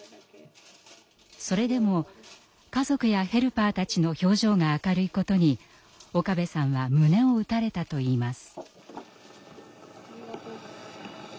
それでも家族やヘルパーたちの表情が明るいことに岡部さんは胸を打たれたといいます。